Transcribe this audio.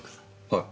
はい。